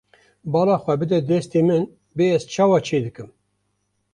Bala xwe bide destê min bê ez çawa çêdikim.